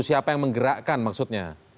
siapa yang menggerakkan maksudnya